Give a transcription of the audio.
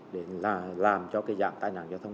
để làm cho cái dạng tai nạn giao thông